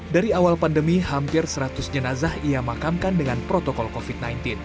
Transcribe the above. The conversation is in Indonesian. dari awal pandemi hampir seratus jenazah ia makamkan dengan protokol covid sembilan belas